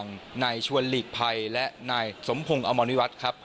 ในชวนหลีกภัยและในสมพงศ์อมรณวิวัตน์ครับ